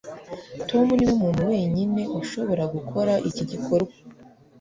tom niwe muntu wenyine ushobora gukora iki gikorwa